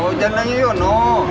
oh jangan lagi ya no